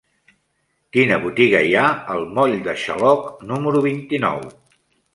Quina botiga hi ha al moll de Xaloc número vint-i-nou?